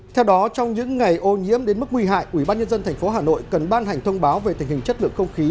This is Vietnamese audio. theo đó trong những ngày ô nhiễm đến mức nguy hại ubnd tp hà nội cần ban hành thông báo về tình hình chất lượng không khí